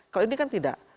kalau ini kan tidak